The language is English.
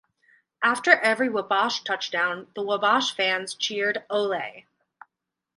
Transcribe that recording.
After every Wabash touchdown, the Wabash fans cheered Ole!